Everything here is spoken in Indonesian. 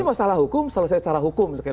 ini masalah hukum selesai secara hukum